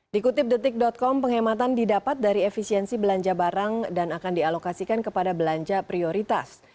dikutip detik com penghematan didapat dari efisiensi belanja barang dan akan dialokasikan kepada belanja prioritas